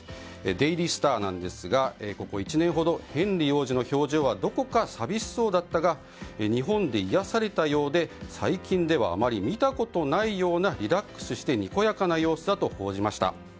デイリースターなんですがここ１年ほどヘンリー王子の表情はどこか寂しそうだったが日本で癒やされたようで最近ではあまり見たことないようなリラックスしてにこやかな様子だと報じました。